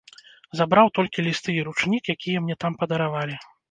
Забраў толькі лісты і ручнік, які мне там падаравалі.